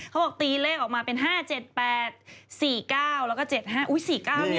เขาบอกตีเลขออกมาเป็น๕๗๘๔๙แล้วก็๗๕๔๙เนี่ย